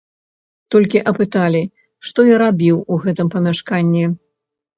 Толькі апыталі, што я рабіў у гэтым памяшканні.